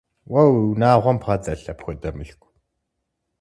Уэ уи унагъуэм бгъэдэлъ апхуэдэ мылъку?